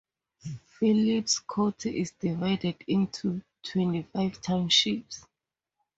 Phillips County is divided into twenty-five townships.